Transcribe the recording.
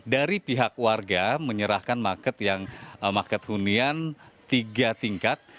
dari pihak warga menyerahkan market hunian tiga tingkat